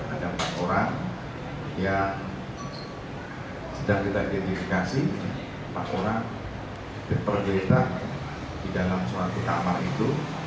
ada empat orang yang sedang kita identifikasi empat orang pergera di dalam suatu kamar itu